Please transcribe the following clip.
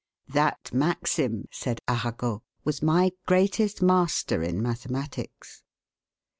"That maxim," said Arago, "was my greatest master in mathematics."